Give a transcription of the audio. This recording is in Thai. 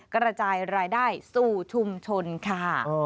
กระจายรายได้สู่ชุมชนค่ะ